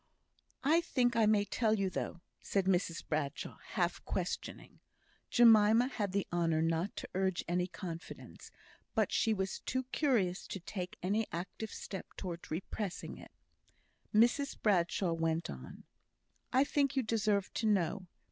"I think I may tell you, though," said Mrs Bradshaw, half questioning. Jemima had the honour not to urge any confidence, but she was too curious to take any active step towards repressing it. Mrs Bradshaw went on. "I think you deserve to know.